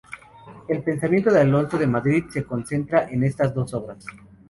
El pensamiento de Alonso de Madrid se concentra en estas dos obras.